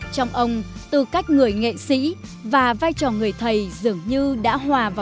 trong ông tư cách người nghệ sĩ và vai trò người thầy dường như đã hòa vào